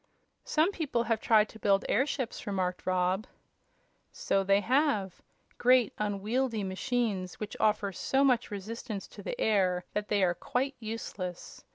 "Some people have tried to build airships," remarked Rob. "So they have; great, unwieldy machines which offer so much resistance to the air that they are quite useless.